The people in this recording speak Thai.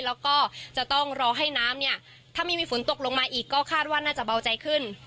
แล้วก็จะต้องรอให้น้ำเนี่ยถ้าไม่มีฝนตกลงมาอีกก็คาดว่าน่าจะเบาใจขึ้น